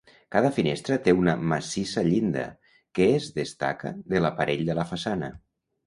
Cada finestra té una massissa llinda, que es destaca de l'aparell de la façana.